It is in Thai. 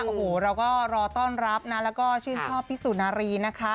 โอ้โหเราก็รอต้อนรับนะแล้วก็ชื่นชอบพี่สุนารีนะคะ